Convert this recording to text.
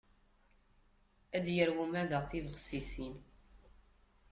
Ad d-yarew umadaɣ tibexsisin.